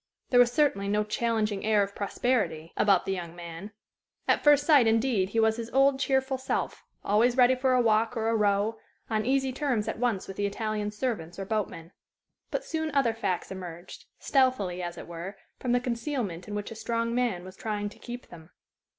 There was certainly no challenging air of prosperity about the young man. At first sight, indeed, he was his old cheerful self, always ready for a walk or a row, on easy terms at once with the Italian servants or boatmen. But soon other facts emerged stealthily, as it were, from the concealment in which a strong man was trying to keep them.